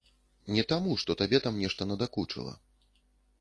Не таму, што табе там нешта надакучыла.